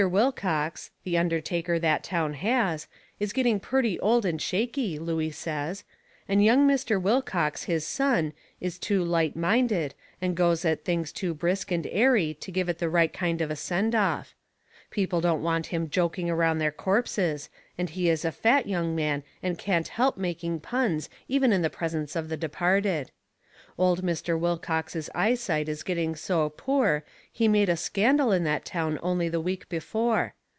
Wilcox, the undertaker that town has, is getting purty old and shaky, Looey says, and young Mr. Wilcox, his son, is too light minded and goes at things too brisk and airy to give it the right kind of a send off. People don't want him joking around their corpses and he is a fat young man and can't help making puns even in the presence of the departed. Old Mr. Wilcox's eyesight is getting so poor he made a scandal in that town only the week before.